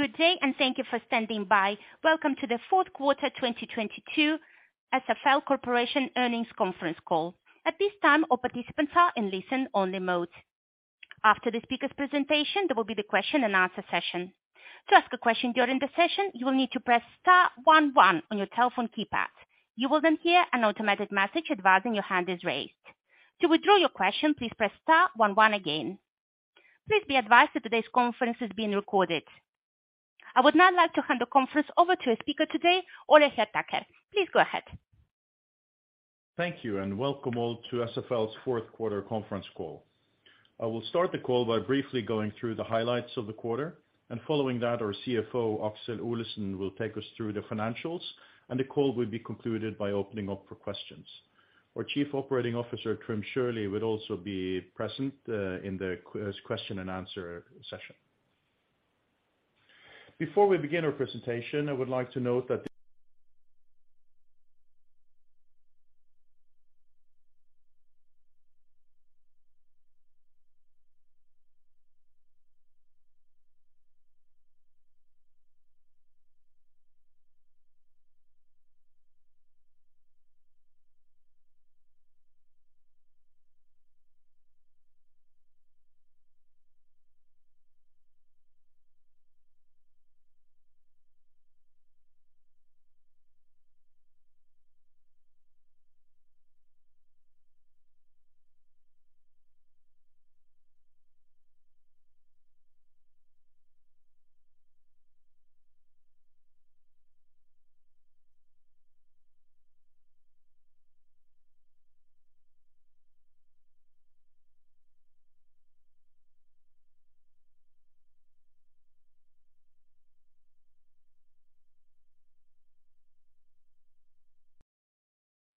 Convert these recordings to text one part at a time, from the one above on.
Good day and thank you for standing by. Welcome to the fourth quarter 2022 SFL Corporation earnings conference call. At this time, all participants are in listen only mode. After the speaker's presentation, there will be the question and answer session. To ask a question during the session, you will need to press star one one on your telephone keypad. You will then hear an automatic message advising your hand is raised. To withdraw your question, please press star one one again. Please be advised that today's conference is being recorded. I would now like to hand the conference over to a speaker today, Ole Hjertaker. Please go ahead. Thank you and welcome all to SFL's fourth quarter conference call. I will start the call by briefly going through the highlights of the quarter, and following that, our CFO, Aksel Olesen, will take us through the financials, and the call will be concluded by opening up for questions. Our Chief Operating Officer, Trym Sjølie, would also be present in the question and answer session. Before we begin our presentation, I would like to note that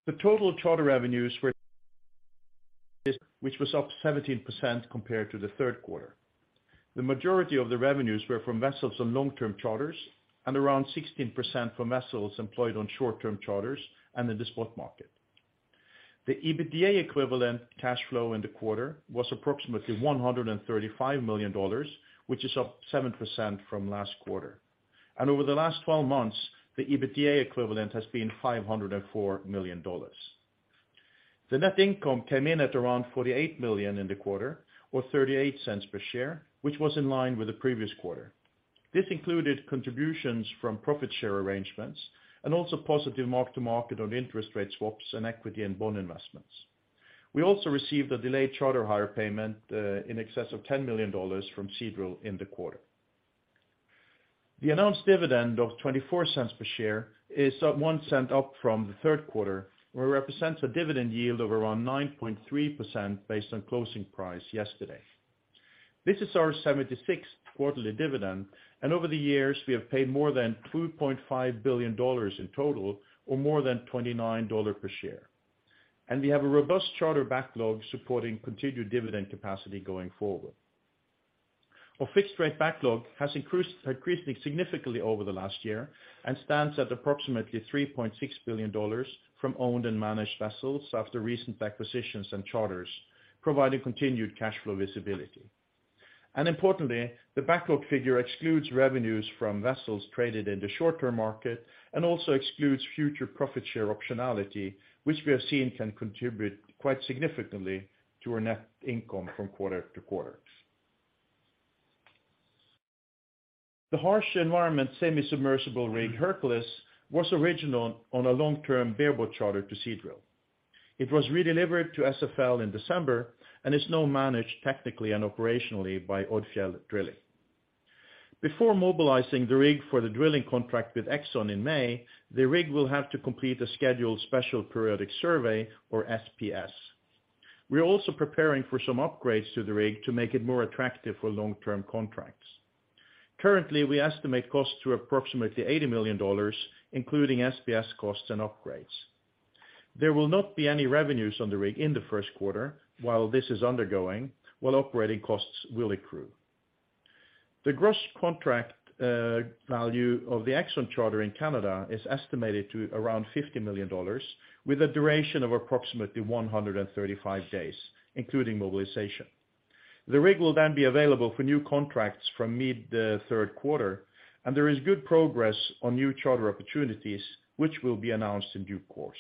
the total charter revenues were, which was up 17% compared to the third quarter. The majority of the revenues were from vessels and long term charters, and around 16% for vessels employed on short term charters and in the spot market. The EBITDA equivalent cash flow in the quarter was approximately $135 million, which is up 7% from last quarter. Over the last 12 months, the EBITDA equivalent has been $504 million. The net income came in at around $48 million in the quarter or $0.38 per share, which was in line with the previous quarter. This included contributions from profit share arrangements and also positive mark to market on interest rate swaps and equity and bond investments. We also received a delayed charter hire payment in excess of $10 million from Seadrill in the quarter. The announced dividend of $0.24 per share is up $0.01 up from the third quarter, where it represents a dividend yield of around 9.3% based on closing price yesterday. This is our 76th quarterly dividend, and over the years, we have paid more than $2.5 billion in total or more than $29 per share. We have a robust charter backlog supporting continued dividend capacity going forward. Our fixed rate backlog has increased significantly over the last year and stands at approximately $3.6 billion from owned and managed vessels after recent acquisitions and charters, providing continued cash flow visibility. Importantly, the backlog figure excludes revenues from vessels traded in the short term market and also excludes future profit share optionality, which we have seen can contribute quite significantly to our net income from quarter to quarter. The harsh environment semi-submersible rig, Hercules, was original on a long term bareboat charter to Seadrill. It was redelivered to SFL in December and is now managed technically and operationally by Odfjell Drilling. Before mobilizing the rig for the drilling contract with Exxon in May, the rig will have to complete a scheduled special periodic survey or SPS. We are also preparing for some upgrades to the rig to make it more attractive for long-term contracts. Currently, we estimate costs to approximately $80 million, including SPS costs and upgrades. There will not be any revenues on the rig in the first quarter while this is undergoing, while operating costs will accrue. The gross contract value of the Exxon charter in Canada is estimated to around $50 million, with a duration of approximately 135 days, including mobilization. The rig will be available for new contracts from mid the third quarter, and there is good progress on new charter opportunities, which will be announced in due course.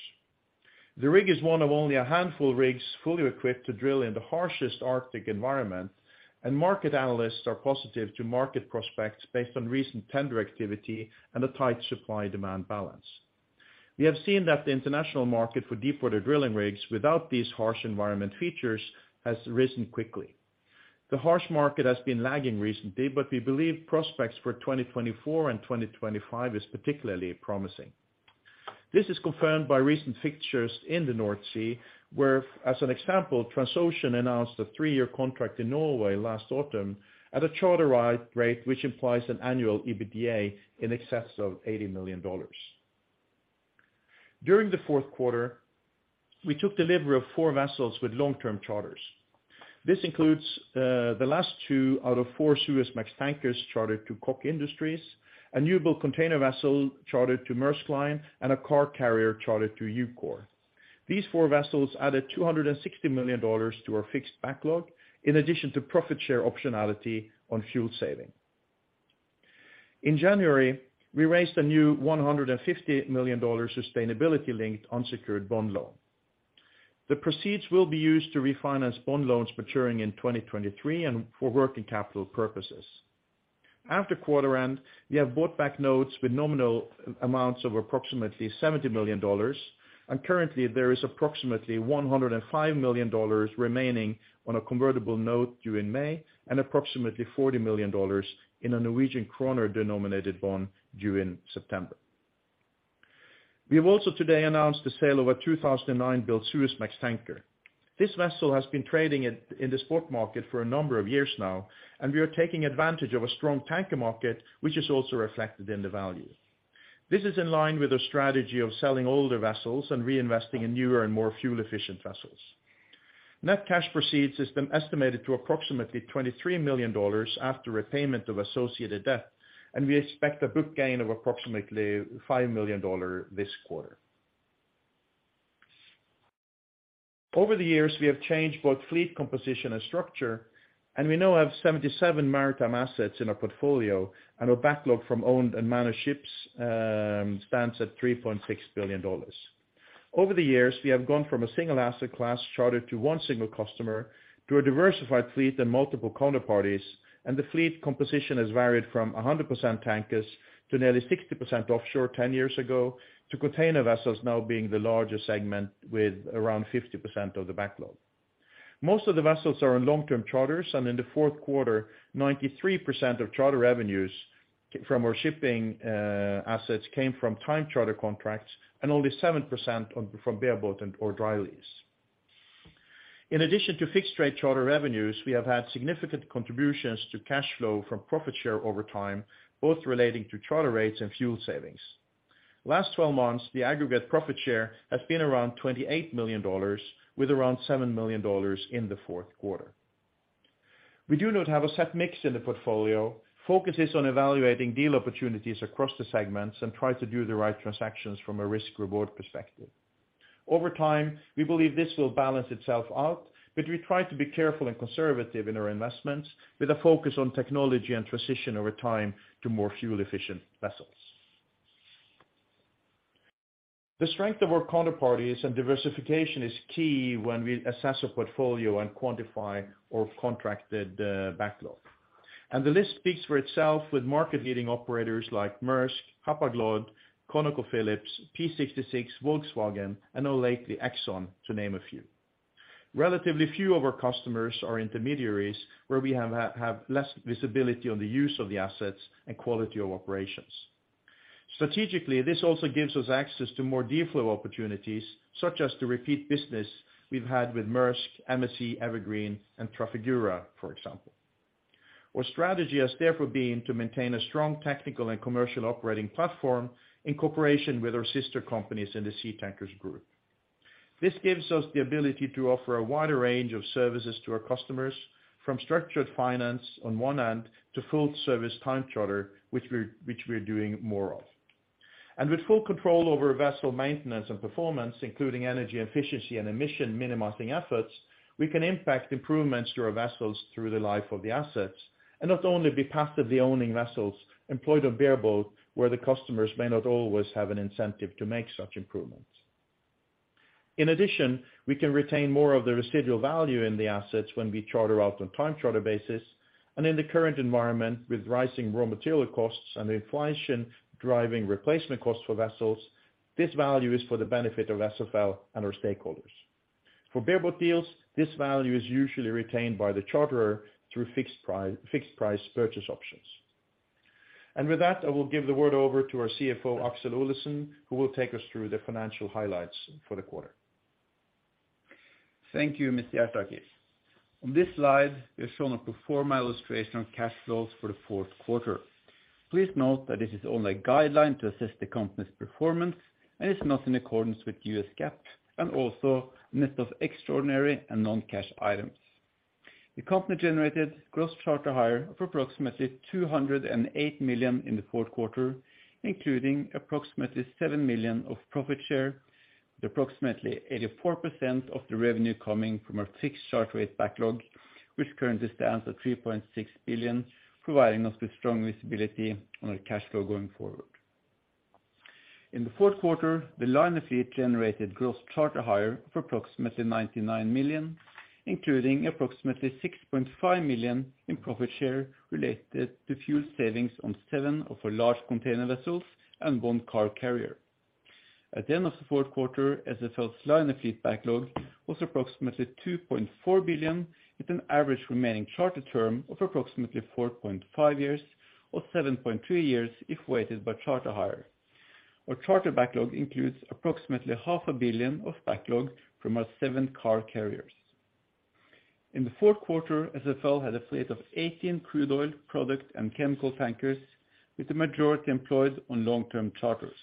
The rig is one of only a handful of rigs fully equipped to drill in the harshest Arctic environment. Market analysts are positive to market prospects based on recent tender activity and a tight supply demand balance. We have seen that the international market for deepwater drilling rigs without these harsh environment features has risen quickly. The harsh market has been lagging recently. We believe prospects for 2024 and 2025 is particularly promising. This is confirmed by recent fixtures in the North Sea, where, as an example, Transocean announced a three-year contract in Norway last autumn at a charter rate which implies an annual EBITDA in excess of $80 million. During the fourth quarter, we took delivery of four vessels with long term charters. This includes, the last two out of four Suezmax tankers chartered to Koch Industries, a newbuild container vessel chartered to Maersk Line and a car carrier chartered to EUKOR. These four vessels added $260 million to our fixed backlog in addition to profit share optionality on fuel saving. In January, we raised a new $150 million sustainability-linked unsecured bond loan. The proceeds will be used to refinance bond loans maturing in 2023 and for working capital purposes. After quarter end, we have bought back notes with nominal amounts of approximately $70 million, and currently there is approximately $105 million remaining on a convertible note due in May and approximately $40 million in a Norwegian kroner denominated bond due in September. We have also today announced the sale of a 2009 built Suezmax tanker. This vessel has been trading in the spot market for a number of years now. We are taking advantage of a strong tanker market which is also reflected in the value. This is in line with our strategy of selling older vessels and reinvesting in newer and more fuel efficient vessels. Net cash proceeds has been estimated to approximately $23 million after repayment of associated debt. We expect a book gain of approximately $5 million this quarter. Over the years, we have changed both fleet composition and structure. We now have 77 maritime assets in our portfolio and our backlog from owned and managed ships stands at $3.6 billion. Over the years, we have gone from a single asset class chartered to one single customer to a diversified fleet and multiple counterparties. The fleet composition has varied from 100% tankers to nearly 60% offshore 10 years ago to container vessels now being the largest segment with around 50% of the backlog. Most of the vessels are on long-term charters. In the fourth quarter, 93% of charter revenues from our shipping assets came from time charter contracts and only 7% from bareboat and or dry lease. In addition to fixed rate charter revenues, we have had significant contributions to cash flow from profit share over time, both relating to charter rates and fuel savings. Last 12 months, the aggregate profit share has been around $28 million with around $7 million in the fourth quarter. We do not have a set mix in the portfolio, focus is on evaluating deal opportunities across the segments and try to do the right transactions from a risk reward perspective. Over time, we believe this will balance itself out, but we try to be careful and conservative in our investments with a focus on technology and transition over time to more fuel-efficient vessels. The strength of our counterparties and diversification is key when we assess a portfolio and quantify our contracted backlog. The list speaks for itself with market-leading operators like Maersk, Hapag-Lloyd, ConocoPhillips, P66, Volkswagen, and now lately Exxon to name a few. Relatively few of our customers are intermediaries where we have less visibility on the use of the assets and quality of operations. Strategically, this also gives us access to more deal flow opportunities, such as the repeat business we've had with Maersk, MSC, Evergreen and Trafigura, for example. Our strategy has therefore been to maintain a strong technical and commercial operating platform in cooperation with our sister companies in the Seatankers Group. This gives us the ability to offer a wider range of services to our customers from structured finance on one end to full service time charter, which we are doing more of. With full control over vessel maintenance and performance, including energy efficiency and emission minimizing efforts, we can impact improvements to our vessels through the life of the assets and not only be passively owning vessels employed on bareboat where the customers may not always have an incentive to make such improvements. In addition, we can retain more of the residual value in the assets when we charter out on time charter basis. In the current environment with rising raw material costs and inflation driving replacement costs for vessels, this value is for the benefit of SFL and our stakeholders. For bareboat deals, this value is usually retained by the charterer through fixed price purchase options. With that, I will give the word over to our CFO, Aksel Olesen, who will take us through the financial highlights for the quarter. Thank you, Mr. Hjertaker. On this slide, we have shown a pro forma illustration of cash flows for the fourth quarter. Please note that this is only a guideline to assess the company's performance and is not in accordance with US GAAP and also net of extraordinary and non-cash items. The company generated gross charter hire of approximately $208 million in the fourth quarter, including approximately $7 million of profit share, with approximately 84% of the revenue coming from our fixed charter rate backlog, which currently stands at $3.6 billion, providing us with strong visibility on our cash flow going forward. In the fourth quarter, the liner fleet generated gross charter hire for approximately $99 million, including approximately $6.5 million in profit share related to fuel savings on seven of our large container vessels and one car carrier. At the end of the fourth quarter, SFL's liner fleet backlog was approximately $2.4 billion, with an average remaining charter term of approximately 4.5 years or 7.3 years if weighted by charter hire. Our charter backlog includes approximately half a billion of backlog from our seven car carriers. In the fourth quarter, SFL had a fleet of 18 crude oil product and chemical tankers, with the majority employed on long-term charters.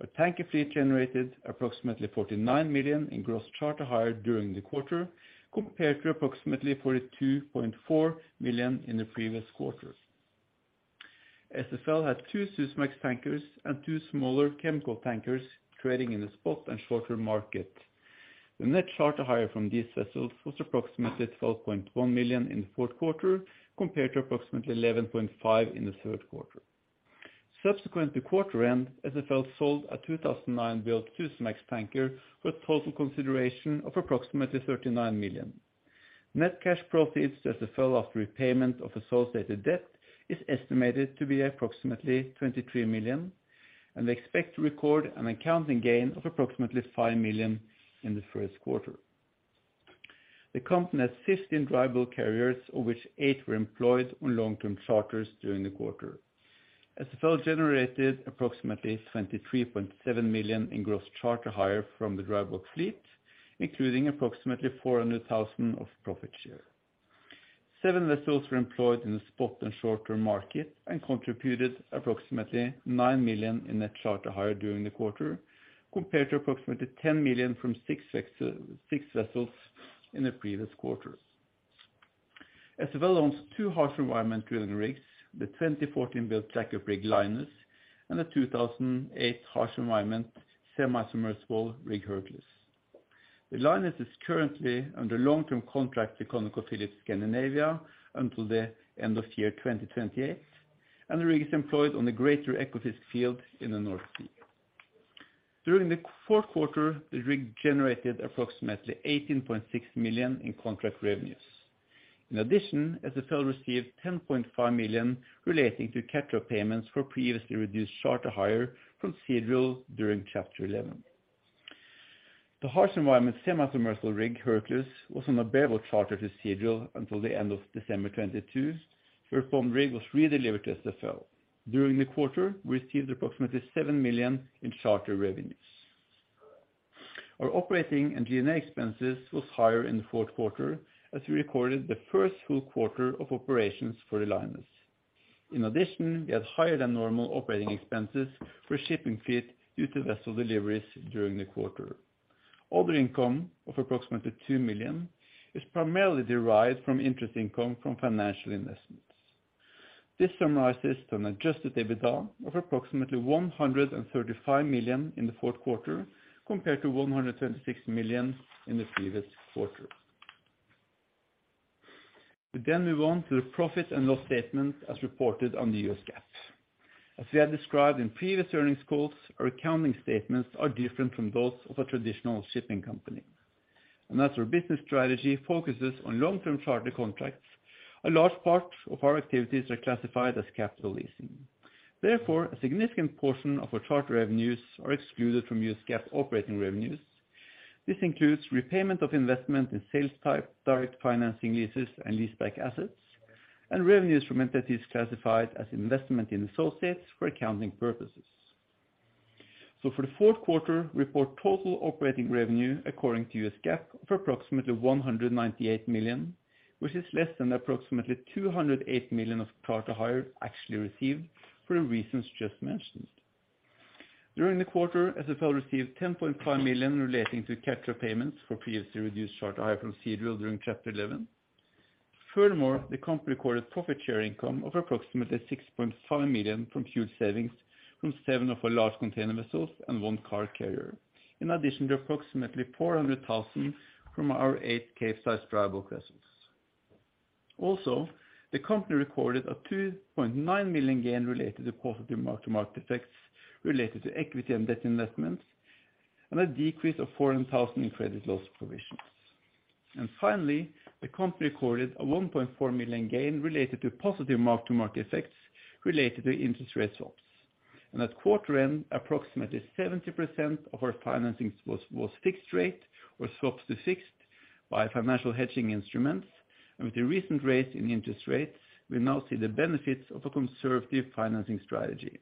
Our tanker fleet generated approximately $49 million in gross charter hire during the quarter compared to approximately $42.4 million in the previous quarter. SFL had two Suezmax tankers and two smaller chemical tankers trading in the spot and shorter market. The net charter hire from these vessels was approximately $12.1 million in the fourth quarter compared to approximately $11.5 million in the third quarter. Subsequent to quarter end, SFL sold a 2009-built Suezmax tanker with total consideration of approximately $39 million. Net cash proceeds to SFL after repayment of associated debt is estimated to be approximately $23 million, and they expect to record an accounting gain of approximately $5 million in the first quarter. The company has 15 dry bulk carriers, of which eight were employed on long-term charters during the quarter. SFL generated approximately $23.7 million in gross charter hire from the dry bulk fleet, including approximately $400,000 of profit share. Seven vessels were employed in the spot and short term market and contributed approximately $9 million in net charter hire during the quarter, compared to approximately $10 million from 6 vessels in the previous quarter. SFL owns two harsh environment drilling rigs, the 2014 built jackup rig, Linus, and the 2008 harsh environment semi-submersible rig, Hercules. The Linus is currently under long-term contract to ConocoPhillips Scandinavia until the end of year 2028. The rig is employed on the Greater Ekofisk field in the North Sea. During the fourth quarter, the rig generated approximately $18.6 million in contract revenues. In addition, SFL received $10.5 million relating to catch-up payments for previously reduced charter hire from Seadrill during Chapter 11. The harsh environment semi-submersible rig, Hercules, was on a bareboat charter to Seadrill until the end of December 2022. The aforementioned rig was redelivered to SFL. During the quarter, we received approximately $7 million in charter revenues. Our operating and G&A expenses was higher in the fourth quarter as we recorded the first full quarter of operations for Linus. In addition, we had higher than normal operating expenses for shipping fleet due to vessel deliveries during the quarter. Other income of approximately $2 million is primarily derived from interest income from financial investments. This summarizes an adjusted EBITDA of approximately $135 million in the fourth quarter compared to $126 million in the previous quarter. We move on to the profit and loss statement as reported on the US GAAP. As we have described in previous earnings calls, our accounting statements are different from those of a traditional shipping company. As our business strategy focuses on long-term charter contracts, a large part of our activities are classified as capital leasing. Therefore, a significant portion of our charter revenues are excluded from US GAAP operating revenues. This includes repayment of investment in sales-type, direct financing leases and lease back assets, and revenues from entities classified as investment in associates for accounting purposes. For the fourth quarter, we report total operating revenue according to U.S. GAAP of approximately $198 million, which is less than approximately $208 million of charter hire actually received for the reasons just mentioned. During the quarter, SFL received $10.5 million relating to catch-up payments for previously reduced charter hire from Seadrill during Chapter 11. Furthermore, the company recorded profit share income of approximately $6.5 million from fuel savings from seven of our large container vessels and one car carrier, in addition to approximately $400,000 from our eight Capesize dry bulk vessels. The company recorded a $2.9 million gain related to positive mark-to-market effects related to equity and debt investments, a decrease of $400,000 in credit loss provisions. Finally, the company recorded a $1.4 million gain related to positive mark-to-market effects related to interest rate swaps. At quarter end, approximately 70% of our financing was fixed rate or swaps to fixed by financial hedging instruments. With the recent raise in interest rates, we now see the benefits of a conservative financing strategy.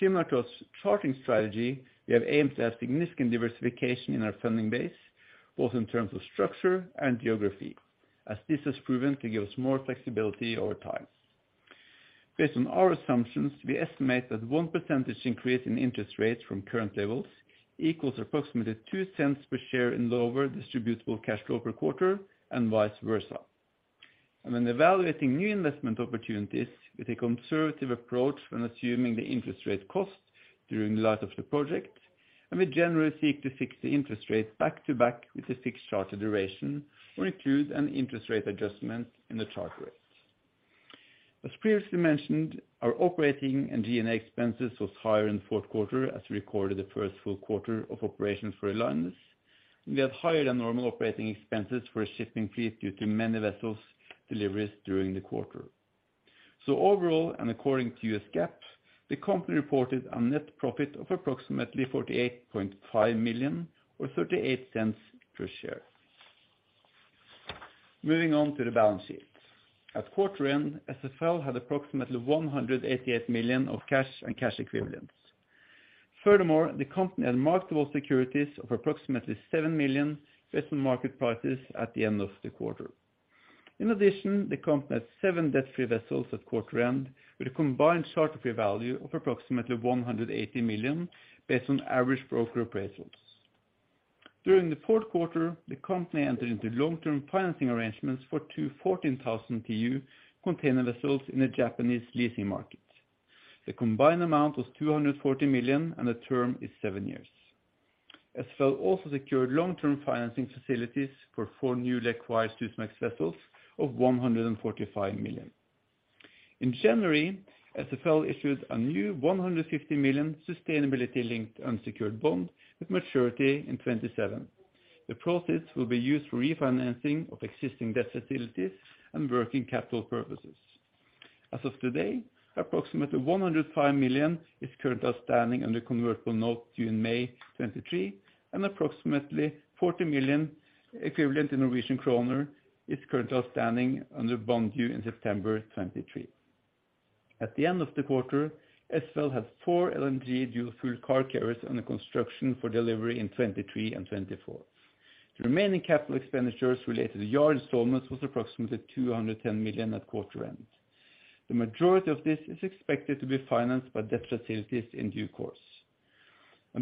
Similar to our charting strategy, we have aimed to have significant diversification in our funding base, both in terms of structure and geography, as this has proven to give us more flexibility over time. Based on our assumptions, we estimate that 1% increase in interest rates from current levels equals approximately $0.02 per share in lower distributable cash flow per quarter and vice versa. When evaluating new investment opportunities with a conservative approach when assuming the interest rate cost during the life of the project, we generally seek to fix the interest rates back to back with the fixed charter duration or include an interest rate adjustment in the charter rates. As previously mentioned, our operating and G&A expenses was higher in the fourth quarter as we recorded the first full quarter of operations for Linus. We had higher than normal operating expenses for a shipping fleet due to many vessels deliveries during the quarter. Overall, according to US GAAP, the company reported a net profit of approximately $48.5 million or $0.38 per share. Moving on to the balance sheet. At quarter end, SFL had approximately $188 million of cash and cash equivalents. Furthermore, the company had markable securities of approximately $7 million based on market prices at the end of the quarter. In addition, the company had seven debt-free vessels at quarter end with a combined charter fee value of approximately $180 million based on average broker appraisals. During the fourth quarter, the company entered into long-term financing arrangements for two 14,000 TEU container vessels in the Japanese leasing market. The combined amount was $240 million, and the term is seven years. SFL also secured long-term financing facilities for four newly acquired Supramax vessels of $145 million. In January, SFL issued a new $150 million sustainability-linked unsecured bond with maturity in 2027. The proceeds will be used for refinancing of existing debt facilities and working capital purposes. As of today, approximately $105 million is current outstanding under convertible notes due in May 2023, and approximately 40 million equivalent in Norwegian kroner is current outstanding under bond due in September 2023. At the end of the quarter, SFL has four LNG dual-fuel car carriers under construction for delivery in 2023 and 2024. The remaining capital expenditures related to yard installments was approximately $210 million at quarter end. The majority of this is expected to be financed by debt facilities in due course.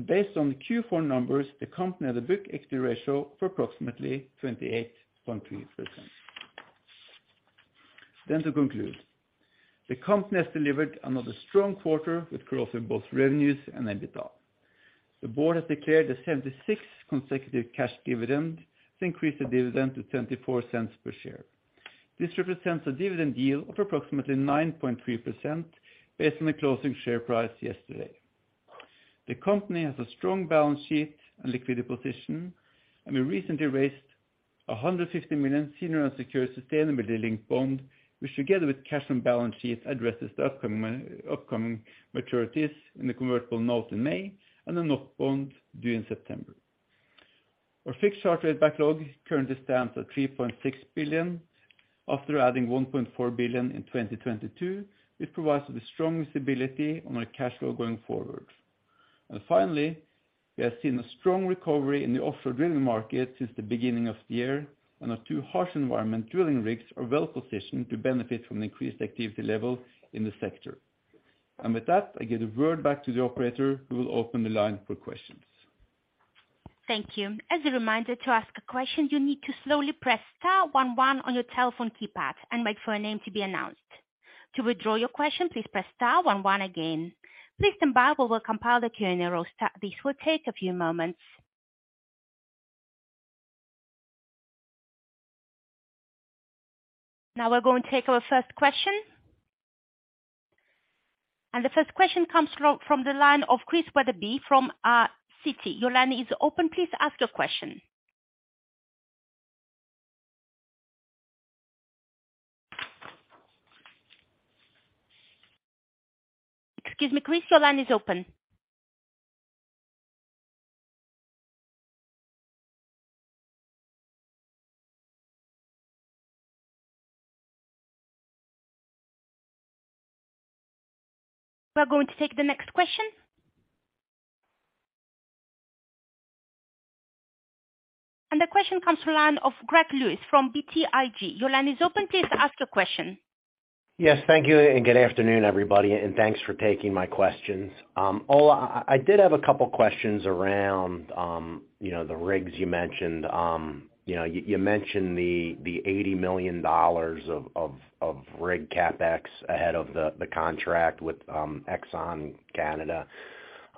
Based on the Q4 numbers, the company had a book equity ratio for approximately 28.3%. To conclude, the company has delivered another strong quarter with growth in both revenues and EBITDA. The board has declared the 76th consecutive cash dividend to increase the dividend to $0.24 per share. This represents a dividend yield of approximately 9.3% based on the closing share price yesterday. The company has a strong balance sheet and liquidity position. We recently raised a $150 million senior unsecured sustainability-linked bond, which, together with cash and balance sheet, addresses the upcoming maturities in the convertible note in May and a note bond due in September. Our fixed charter rate backlog currently stands at $3.6 billion. After adding $1.4 billion in 2022, it provides the strong stability on our cash flow going forward. Finally, we have seen a strong recovery in the offshore drilling market since the beginning of the year, and our two harsh environment drilling rigs are well positioned to benefit from the increased activity level in the sector. With that, I give the word back to the operator who will open the line for questions. Thank you. As a reminder to ask a question, you need to slowly press star 1 1 on your telephone keypad and wait for a name to be announced. To withdraw your question, please press star 1 1 again. Please stand by while we compile the Q&A roster. This will take a few moments. Now we're going to take our first question. The first question comes from the line of Chris Wetherbee from Citi. Your line is open. Please ask your question. Excuse me, Chris, your line is open. We're going to take the next question. The question comes from line of Greg Lewis from BTIG. Your line is open. Please ask your question. Yes, thank you and good afternoon, everybody, and thanks for taking my questions. Ole, I did have a couple questions around, you know, the rigs you mentioned. You know, you mentioned the $80 million of rig CapEx ahead of the contract with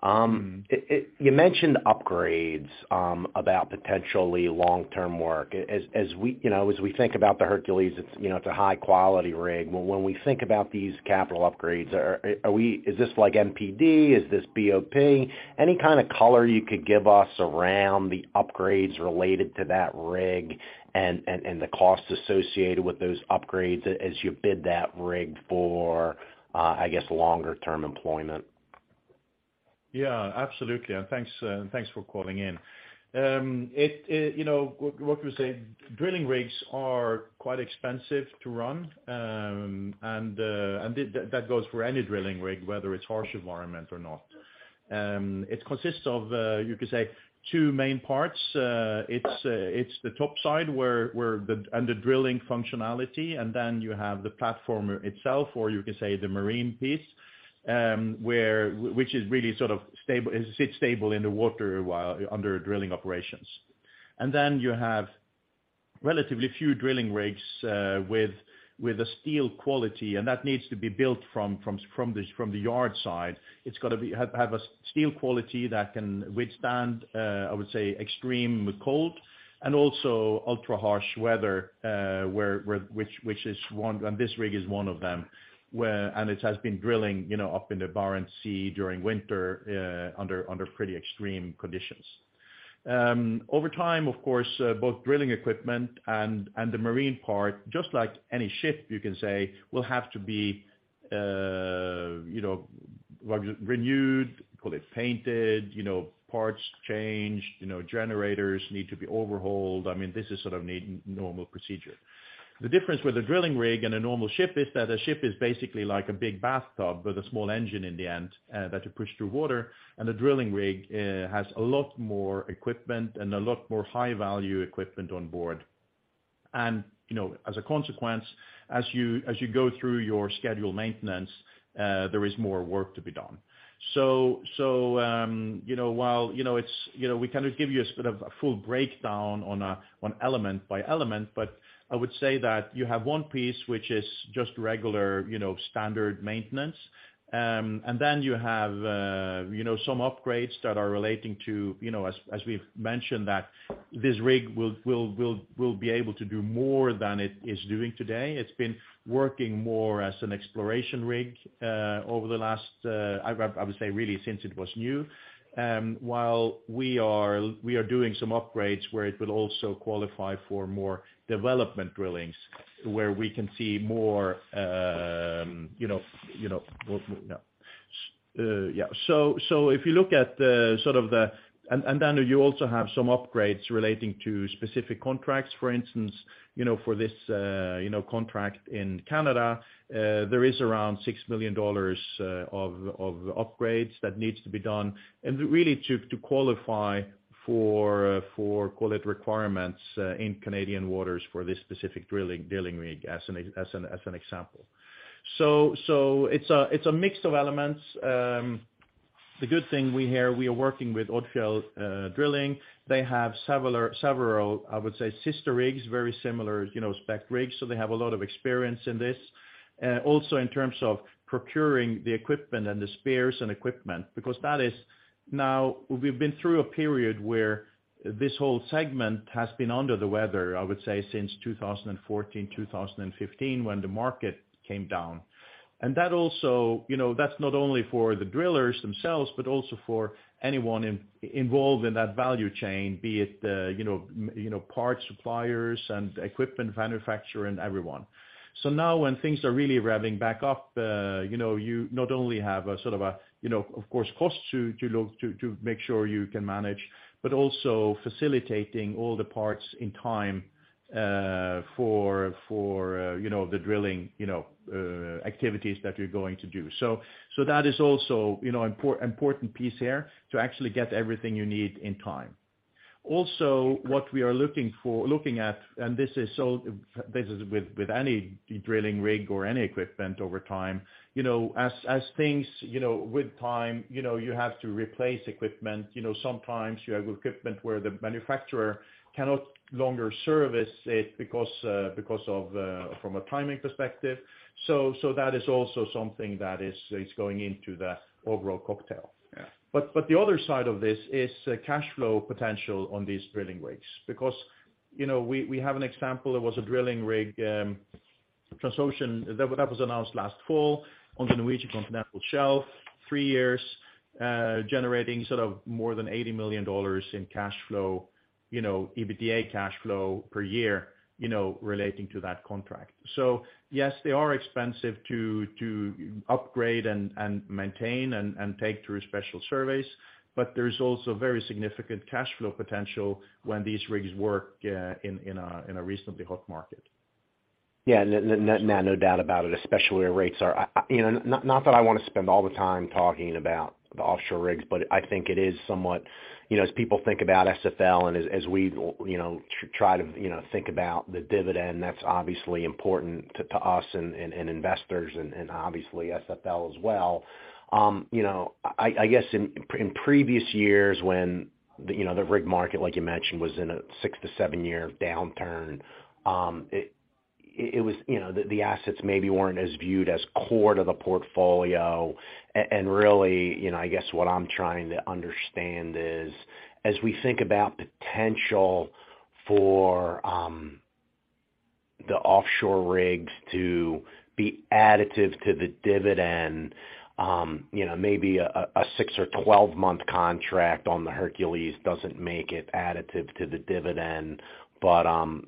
ExxonMobil. You mentioned upgrades about potentially long-term work. As we, you know, as we think about the Hercules, it's, you know, it's a high quality rig. When we think about these capital upgrades, are we, is this like MPD? Is this BOP? Any kind of color you could give us around the upgrades related to that rig and the costs associated with those upgrades as you bid that rig for, I guess, longer term employment? Absolutely. Thanks for calling in. You know, what can we say? Drilling rigs are quite expensive to run, and that goes for any drilling rig, whether it's harsh environment or not. It consists of, you could say two main parts. It's the top side where the drilling functionality, and then you have the platform itself, or you can say the marine piece, which is really sort of stable, it sits stable in the water while under drilling operations. You have relatively few drilling rigs with a steel quality, and that needs to be built from the yard side. It's gotta have a steel quality that can withstand, I would say, extreme cold and also ultra harsh weather, which is one, and this rig is one of them where. It has been drilling, you know, up in the Barents Sea during winter, under pretty extreme conditions. Over time, of course, both drilling equipment and the marine part, just like any ship, you can say, will have to be, you know, renewed, call it painted, you know, parts changed, you know, generators need to be overhauled. I mean, this is sort of normal procedure. The difference with a drilling rig and a normal ship is that a ship is basically like a big bathtub with a small engine in the end, that you push through water, and a drilling rig has a lot more equipment and a lot more high value equipment on board. You know, as a consequence, as you go through your scheduled maintenance, there is more work to be done. You know, while, you know, we cannot give you a sort of a full breakdown on a, on element by element, but I would say that you have one piece which is just regular, you know, standard maintenance. You have, you know, some upgrades that are relating to, you know, as we've mentioned, that this rig will be able to do more than it is doing today. It's been working more as an exploration rig over the last, I would say really since it was new. While we are doing some upgrades where it will also qualify for more development drillings, where we can see more, you know, you know, no. Yeah. If you look at the, sort of the... Daniel, you also have some upgrades relating to specific contracts. For instance, you know, for this, you know, contract in Canada, there is around $6 million of upgrades that needs to be done. And really to qualify for call it requirements in Canadian waters for this specific drilling rig as an example. It's a mix of elements. The good thing we hear, we are working with Odfjell Drilling. They have several, I would say, sister rigs, very similar, you know, spec rigs, so they have a lot of experience in this. Also in terms of procuring the equipment and the spares and equipment, because that is now... We've been through a period where this whole segment has been under the weather, I would say, since 2014, 2015 when the market came down. That also, you know, that's not only for the drillers themselves, but also for anyone in, involved in that value chain, be it, you know, parts suppliers and equipment manufacturer and everyone. Now when things are really revving back up, you know, you not only have a sort of a, you know, of course, costs to look to make sure you can manage, but also facilitating all the parts in time, for, you know, the drilling, you know, activities that you're going to do. That is also, you know, important piece here to actually get everything you need in time. What we are looking at, and this is with any drilling rig or any equipment over time, you know, as things, you know, with time, you know, you have to replace equipment. You know, sometimes you have equipment where the manufacturer cannot longer service it because of, from a timing perspective. That is also something that is going into the overall cocktail. Yeah. The other side of this is cashflow potential on these drilling rigs. You know, we have an example, there was a drilling rig, Transocean, that was announced last fall on the Norwegian continental shelf, three years, generating sort of more than $80 million in cashflow, you know, EBITDA cashflow per year, you know, relating to that contract. Yes, they are expensive to upgrade and maintain and take through special surveys, but there's also very significant cashflow potential when these rigs work in a recently hot market. Yeah. No doubt about it, especially where rates are. I, you know, not that I wanna spend all the time talking about the offshore rigs, but I think it is somewhat, you know, as people think about SFL and as we, you know, try to, you know, think about the dividend, that's obviously important to us and investors and obviously SFL as well. You know, I guess in previous years when the, you know, the rig market, like you mentioned, was in a 6-7 year downturn, it was. You know, the assets maybe weren't as viewed as core to the portfolio. Really, you know, I guess what I'm trying to understand is, as we think about potential for the offshore rigs to be additive to the dividend, you know, maybe a six or 12-month contract on the Hercules doesn't make it additive to the dividend.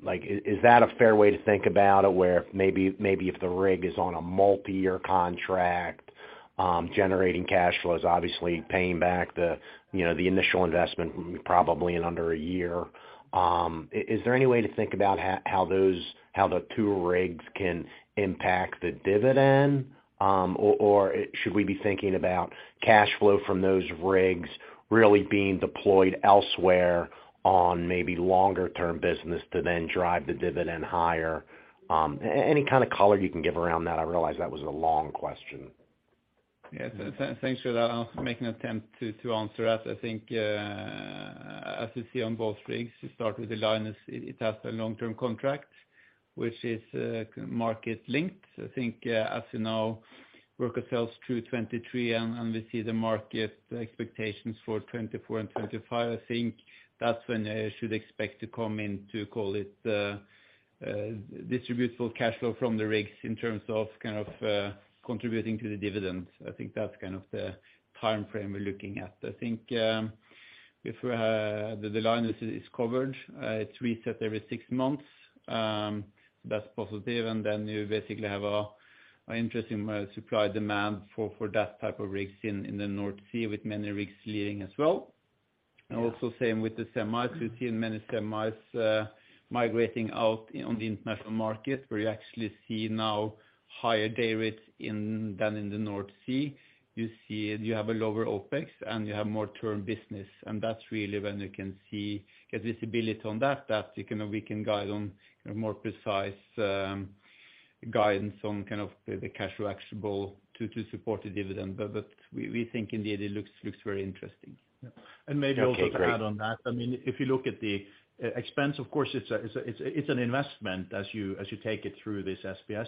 Like is that a fair way to think about it? Where maybe if the rig is on a multi-year contract, generating cash flows, obviously paying back the, you know, the initial investment probably in under a year. Is there any way to think about how those, how the two rigs can impact the dividend? Should we be thinking about cashflow from those rigs really being deployed elsewhere on maybe longer term business to then drive the dividend higher? Any kind of color you can give around that. I realize that was a long question. Yes. Thanks for that. I'll make an attempt to answer that. I think as you see on both rigs, to start with the Linus, it has a long-term contract which is market linked. I think as you know, work ourselves through 2023, and we see the market expectations for 2024 and 2025, I think that's when should expect to come in to call it distributable cash flow from the rigs in terms of kind of contributing to the dividends. I think that's kind of the timeframe we're looking at. I think if the Linus is covered, it's reset every six months, that's positive. You basically have a interesting supply demand for that type of rigs in the North Sea, with many rigs leading as well. Also same with the semis. We've seen many semis migrating out on the international market, where you actually see now higher day rates in than in the North Sea. You see, you have a lower OPEX. You have more term business. That's really when you can see, get visibility on that, you know, we can guide on more precise guidance on kind of the cash flow actionable to support the dividend. We think indeed it looks very interesting. Yeah. Okay, great. maybe also to add on that. I mean, if you look at the e-expense, of course it's an investment as you take it through this SBS.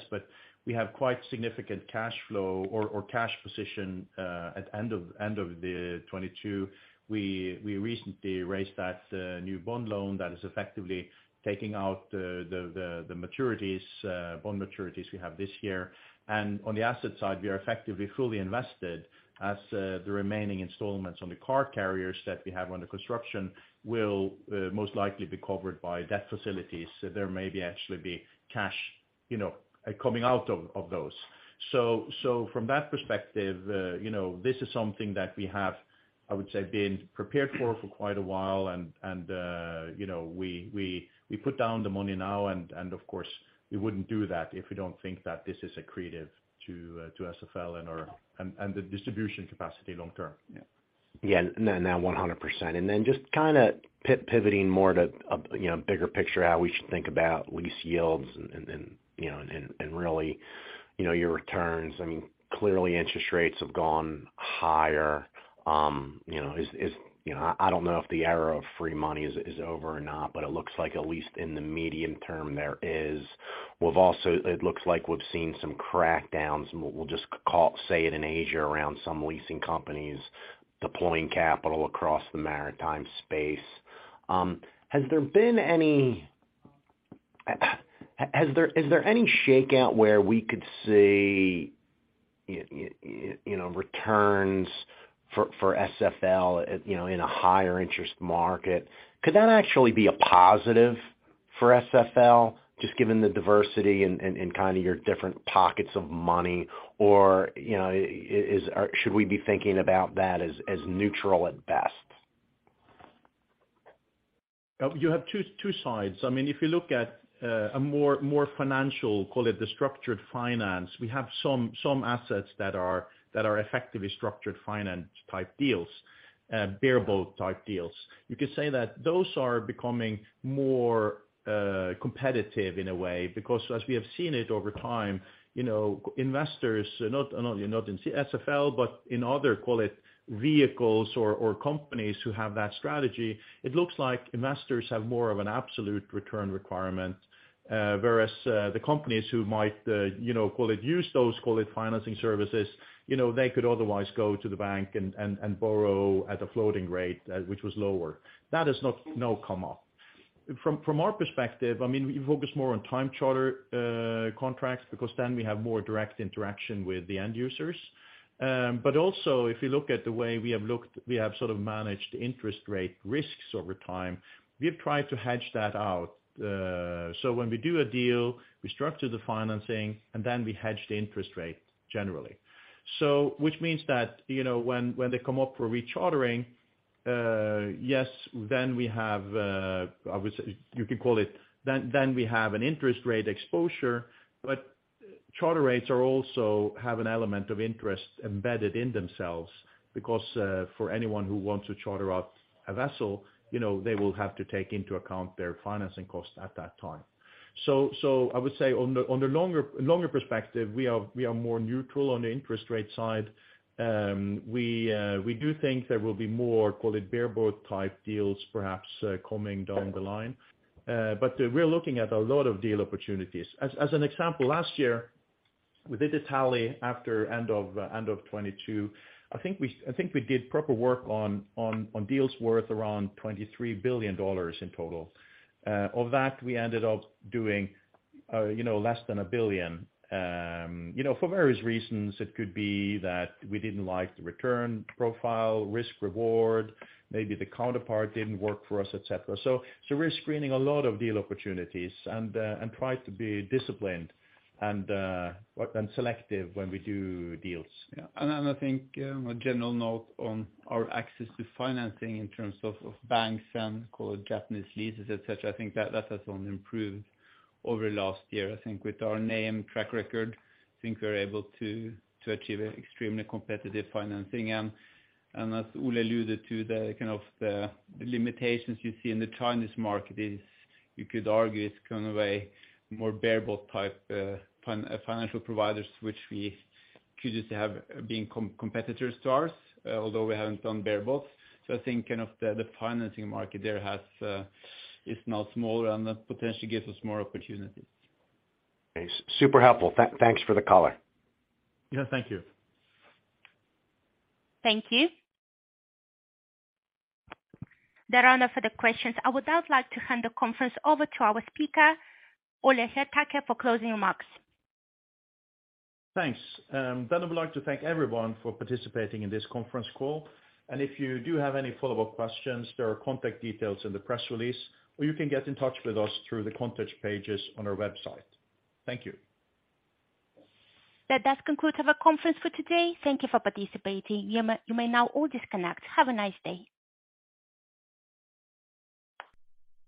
we have quite significant cash flow or cash position at end of 2022. We recently raised that new bond loan that is effectively taking out the maturities, bond maturities we have this year. on the asset side, we are effectively fully invested as the remaining installments on the car carriers that we have under construction will most likely be covered by debt facilities. There may be actually be cash, you know, coming out of those. From that perspective, you know, this is something that we have, I would say, been prepared for quite a while and, you know, we put down the money now and of course we wouldn't do that if we don't think that this is accretive to SFL. The distribution capacity long term. Yeah. Yeah. No, 100%. Just kinda pivoting more to, you know, bigger picture how we should think about lease yields and, you know, and really, you know, your returns. I mean, clearly interest rates have gone higher. You know, is, you know, I don't know if the era of free money is over or not, but it looks like at least in the medium term there is. It looks like we've seen some crackdowns, we'll just say it in Asia around some leasing companies deploying capital across the maritime space. Is there any shakeout where we could see, you know, returns for SFL, you know, in a higher interest market? Could that actually be a positive for SFL just given the diversity and kind of your different pockets of money? You know, should we be thinking about that as neutral at best? You have two sides. I mean, if you look at a more financial, call it the structured finance, we have some assets that are effectively structured finance type deals, bareboat type deals. You could say that those are becoming more competitive in a way because as we have seen it over time, you know, investors not in SFL, but in other call it vehicles or companies who have that strategy, it looks like investors have more of an absolute return requirement. Whereas, the companies who might, you know, call it use those, call it financing services, you know, they could otherwise go to the bank and borrow at a floating rate, which was lower. That has not come up. From our perspective, I mean, we focus more on time charter contracts because then we have more direct interaction with the end users. Also if you look at the way we have sort of managed interest rate risks over time, we have tried to hedge that out. When we do a deal, we structure the financing and then we hedge the interest rate generally. Which means that, you know, when they come up for rechartering, yes then we have, I would say, you could call it. Then we have an interest rate exposure, but charter rates also have an element of interest embedded in themselves because for anyone who wants to charter out a vessel, you know, they will have to take into account their financing costs at that time. I would say on the longer perspective we are more neutral on the interest rate side. We do think there will be more call it bareboat type deals perhaps coming down the line. We're looking at a lot of deal opportunities. As an example, last year we did a tally after end of 2022. I think we did proper work on deals worth around $23 billion in total. Of that we ended up doing, you know, less than $1 billion, you know, for various reasons it could be that we didn't like the return profile, risk reward, maybe the counterpart didn't work for us, et cetera. We're screening a lot of deal opportunities and try to be disciplined and, but then selective when we do deals. Yeah. I think a general note on our access to financing in terms of banks and call it Japanese leases, et cetera, I think that has only improved over last year. I think with our name, track record, I think we're able to achieve extremely competitive financing. As Ole alluded to the kind of the limitations you see in the Chinese market is you could argue it's kind of a more bareboat type financial providers which we could just have been competitors to us, although we haven't done bareboats. I think kind of the financing market there has is now smaller and that potentially gives us more opportunities. Okay. Super helpful. Thanks for the color. Yeah. Thank you. Thank you. There are no further questions. I would now like to hand the conference over to our speaker, Ole Hjertaker, for closing remarks. Thanks. I would like to thank everyone for participating in this conference call. If you do have any follow-up questions there are contact details in the press release, or you can get in touch with us through the contact pages on our website. Thank you. That does conclude our conference for today. Thank you for participating. You may now all disconnect. Have a nice day.